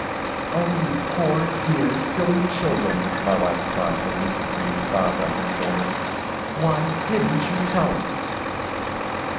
"Oh, you poor, dear, silly children!" my wife cried, as Mrs. Brede sobbed on her shoulder, "why didn't you tell us?"